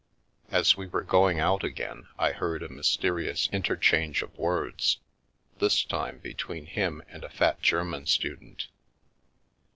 As we were going out again I heard a mysterious interchange of words, this time between him and a fat German student.